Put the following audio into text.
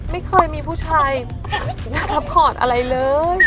ไม่เคยมีผู้ชายมาซัพพอร์ตอะไรเลย